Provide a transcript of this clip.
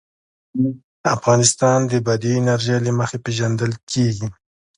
افغانستان د بادي انرژي له مخې پېژندل کېږي.